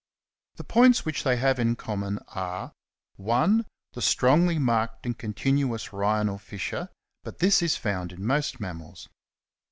The points which they have in common are: — (1) The strongly marked and continuous rhinal fissure ; but this is found in most mammals.